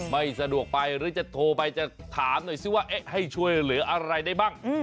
ไม่สะดวกไปหรือจะโทรไปจะถามหน่อยซิว่าให้ช่วยเหลืออะไรได้บ้าง